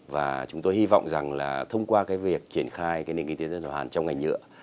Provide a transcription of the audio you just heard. và chúng tôi hy vọng rằng là thông qua cái việc triển khai cái nền kinh tế tuần hoàn trong ngành nhựa